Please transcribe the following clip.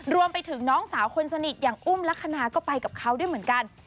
รวมไปถึงน้องสาวคนสนิทอย่างอุ้มลักษณะก็ไปกับเขาด้วยเหมือนกัน